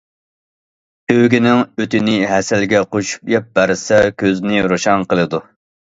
تۆگىنىڭ ئۆتىنى ھەسەلگە قوشۇپ يەپ بەرسە كۆزنى روشەن قىلىدۇ.